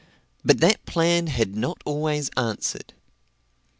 But that plan had not always answered.